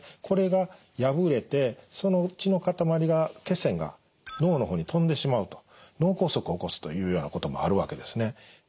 これが破れてその血のかたまりが血栓が脳の方に飛んでしまうと脳梗塞を起こすというようなこともあるわけですね。